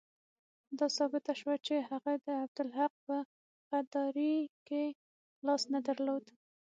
دا ثابته شوه چې هغه د عبدالحق په غداري کې لاس نه درلود.